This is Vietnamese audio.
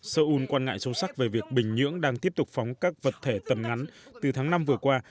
seoul quan ngại sâu sắc về việc bình nhưỡng đang tiếp tục phóng các vật thể tầm ngắn từ tháng năm vừa qua